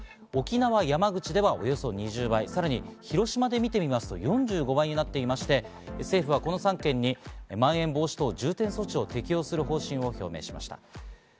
沖縄、山口ではおよそ２０倍、さらに広島で見てみますと４５倍になっていて、政府はこの３県にまん延防止等重点措置を適用する方針を表明しました。